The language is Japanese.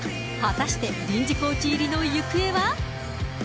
果たして、臨時コーチ入りの行方は。